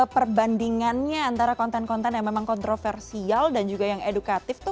perbandingannya antara konten konten yang memang kontroversial dan juga yang edukatif tuh